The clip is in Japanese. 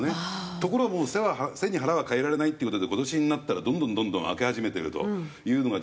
ところがもう背に腹は代えられないっていう事で今年になったらどんどんどんどん開け始めてるというのが実態で。